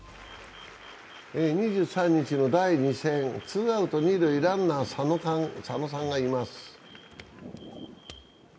２３日の第２戦、ツーアウト二塁、ランナー・佐野さんがいます。